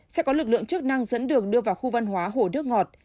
sẽ có lực lượng chức năng dẫn đường đưa vào khu văn hóa hồ nước ngọt